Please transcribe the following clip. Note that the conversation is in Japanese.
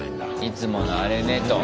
いつものあれねと。